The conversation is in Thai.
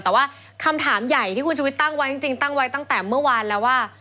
แต่ว่าคำถามใหญ่ที่คุณชุวิตตั้งไว้จริงตั้งไว้ตั้งแต่เมื่อวานแล้วว่า